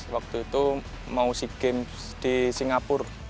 waktu itu mau sea games di singapura